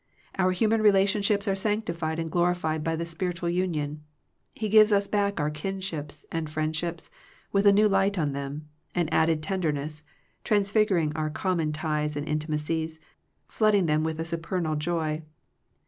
Our human relationships are sanctified and glorified by the spiritual union. He gives us back our kinships, and friendships, with a new light on them, an added tenderness, transfiguring our common ties and intimacies, flooding them with a supernal joy.